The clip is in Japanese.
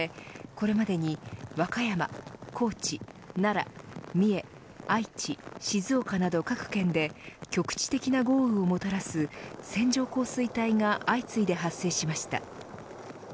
これまでに和歌山、高知奈良、三重、愛知静岡など各県で局地的な豪雨をもたらす線状降水帯が相次いで発生しました。